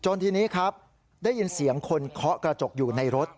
ทีนี้ครับได้ยินเสียงคนเคาะกระจกอยู่ในรถ